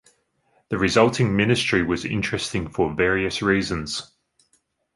The resulting Ministry was interesting for various reasons.